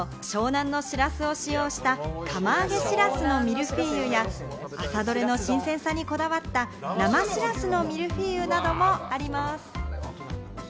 他にも湘南のしらすを使用した釜揚げしらすのミルフィーユや、朝どれの新鮮さにこだわった生しらすのミルフィーユなどもあります。